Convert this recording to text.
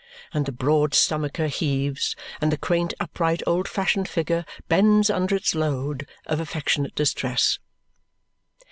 And the broad stomacher heaves, and the quaint upright old fashioned figure bends under its load of affectionate distress.